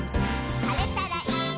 「晴れたらいいね」